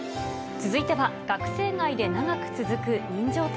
続いては、学生街で長く続く人情店。